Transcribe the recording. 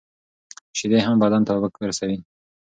شیدې هم بدن ته اوبه رسوي.